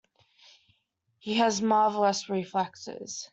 He has marvelous reflexes.